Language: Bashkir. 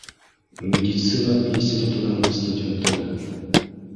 Медицина институтының студенты